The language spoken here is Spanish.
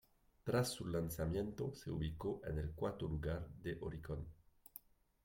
Tras su lanzamiento, se ubicó en el cuarto lugar de Oricon.